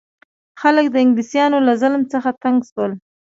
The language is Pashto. خلک د انګلیسانو له ظلم څخه تنګ شول.